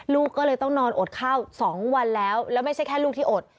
ลูกก็เลยต้องนอนอดข้าว๒วันแล้วแล้วไม่ใช่แค่ลูกที่อด